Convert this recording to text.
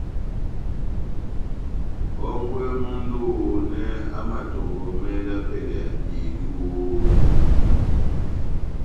Hɔ́ngwɛ mɔndi ohonɛ amatɔngɔmɛ dá pɛlɛ ya dihedu ohonɛ.